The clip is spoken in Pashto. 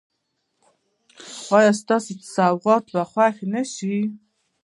ایا ستاسو سوغات به خوښ نه شي؟